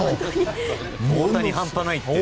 大谷、半端ないって！